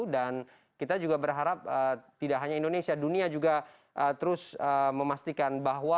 dan kita juga berharap tidak hanya indonesia dunia juga terus memastikan bahwa